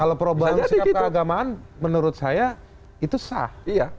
kalau perubahan sikap keagamaan menurut saya itu sah